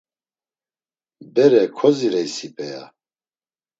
“Bere kozireysi p̌eya?”